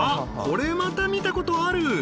これまた見たことある！